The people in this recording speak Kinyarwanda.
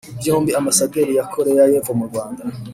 Byombi Ambasade ya Koreya y’Epfo mu Rwanda